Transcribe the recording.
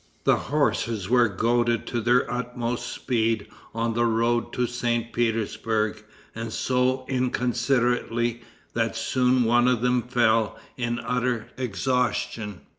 The horses were goaded to their utmost speed on the road to St. Petersburg, and so inconsiderately that soon one of them fell in utter exhaustion.